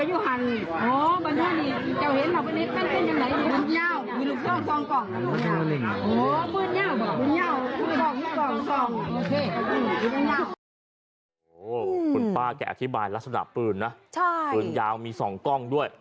โอ้โหคุณป้าแกอธิบายลักษณะปืนนะปืนยาวมี๒กล้องด้วย